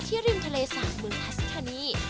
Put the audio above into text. ที่ริมทะเล๓มือทัศนี